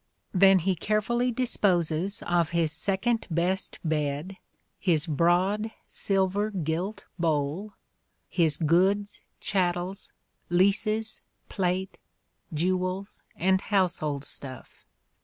Then he carefully disposes of his " second best bed," his " broad silver gilt bole," his " goodes chattels, leases, plate, jewels and household stuff."